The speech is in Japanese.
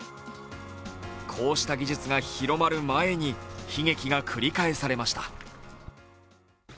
こうした技術が広まる前に悲劇が繰り返されました。